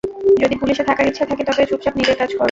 যদি পুলিশে থাকার ইচ্ছে থাকে তবে চুপচাপ নিজের কাজ করো।